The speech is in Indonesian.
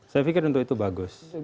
saya pikir untuk itu bagus